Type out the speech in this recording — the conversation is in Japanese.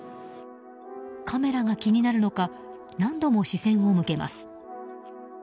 カメラが気になるのか何度も視線を向けます。